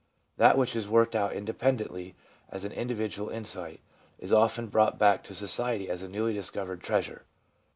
That which is worked out independently as an individual insight is often brought back to society as a newly discovered treasure.